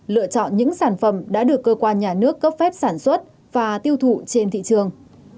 lựa chọn những sản phẩm đã được cơ quan nhà nước cấp phép sản xuất và tiêu thụ trên thị trường